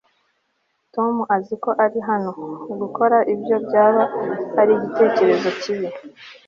tom azi ko uri hano? gukora ibyo byaba ari igitekerezo kibi